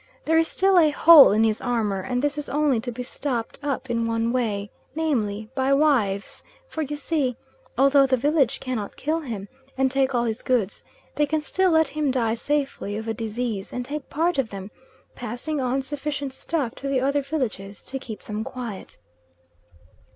There is still a hole in his armour, and this is only to be stopped up in one way, namely, by wives; for you see although the village cannot safely kill him, and take all his goods, they can still let him die safely of a disease, and take part of them, passing on sufficient stuff to the other villages to keep them quiet.